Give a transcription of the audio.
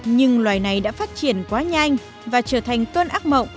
nhưng loài này đã phát triển quá nhanh và trở thành cơn ác mộng